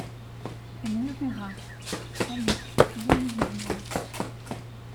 Elle murmura :— Allons, venez, marmaille…